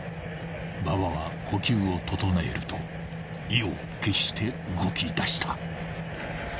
［馬場は呼吸を整えると意を決して動きだした］